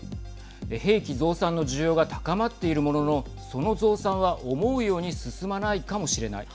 兵器増産の需要が高まっているもののその増産は思うように進まないかもしれない。